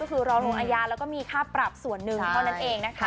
หรือรองระยะและมีค่าปรับ๑ข้อนันนั่นเอง